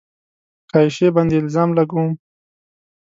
که عایشې باندې الزام لګوم